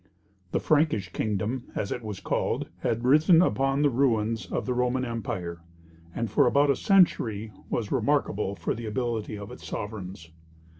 The Frankish kingdom, as it was called, had risen upon the ruins of the Roman Empire, and for about a century was remarkable for the ability of its sovereigns.